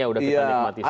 ya udah kita nikmati saja